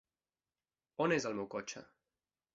On és el meu cotxe?